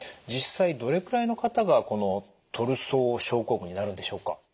実際どれくらいの方がこのトルソー症候群になるんでしょうか？